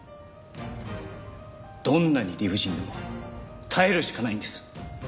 どんなに理不尽でも耐えるしかないんです。